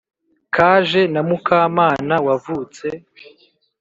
Kaje na Mukamana wavutse